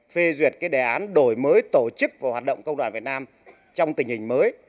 phê duyệt đề án đổi mới tổ chức và hoạt động công đoàn việt nam trong tình hình mới